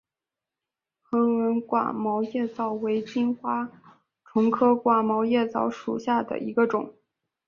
横纹寡毛叶蚤为金花虫科寡毛叶蚤属下的一个种。